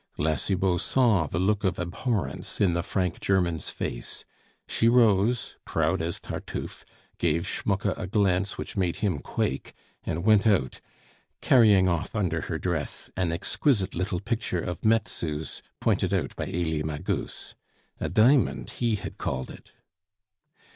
La Cibot saw the look of abhorrence in the frank German's face; she rose, proud as Tartuffe, gave Schmucke a glance which made him quake, and went out, carrying off under her dress an exquisite little picture of Metzu's pointed out by Elie Magus. "A diamond," he had called it.